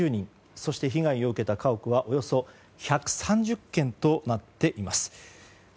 そして被害を受けた家屋はおよそ１３０軒となっています。